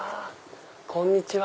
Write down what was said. こんにちは。